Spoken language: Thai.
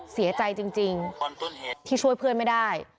เสียใจจริงที่ช่วยเพื่อนไม่ได้